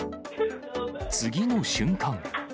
次の瞬間。